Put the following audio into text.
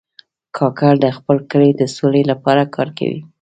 کاکړ د خپل کلي د سولې لپاره کار کوي.